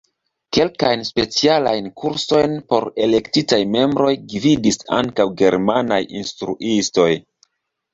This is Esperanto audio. Kelkajn specialajn kursojn por elektitaj membroj gvidis ankaŭ germanaj instruistoj.